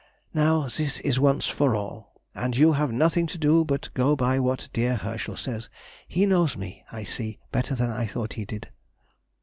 Now, this is once for all! and you have nothing to do but to go by what dear Herschel says—he knows me, I see, better than I thought he did.